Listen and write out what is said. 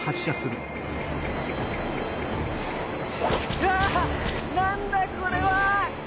うわなんだこれは？